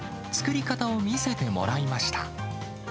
作り方を見せてもらいました。